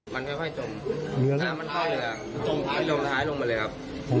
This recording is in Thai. มันค่อยต้นท้ายลงมาเลยครับ